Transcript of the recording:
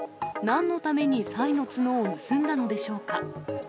なんのためにサイの角を盗んだのでしょうか。